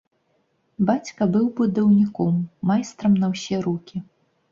Бацька быў будаўніком, майстрам на ўсе рукі.